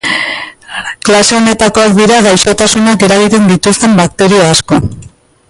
Klase honetakoak dira gaixotasunak eragiten dituzten bakterio asko.